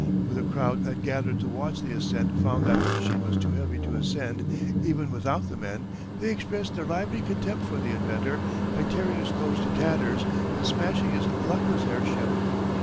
When the crowd that gathered to watch the ascent found that the machine was too heavy to ascend even without the men, they expressed their lively contempt for the inventor by tearing his clothes to tatters and smashing his luckless airship.